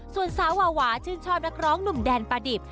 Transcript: ส่วนสาววาวาชื่นชอบนักร้องหนุ่มแดนประดิบ